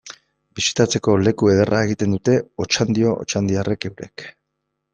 Bisitatzeko leku ederra egiten dute Otxandio otxandiarrek eurek.